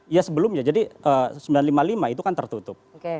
ya sebelumnya jadi sembilan ratus lima puluh lima itu kan tertutup